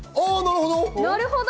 なるほど。